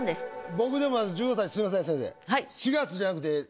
僕でも１５歳すいません先生。